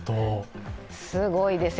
すごいですよ。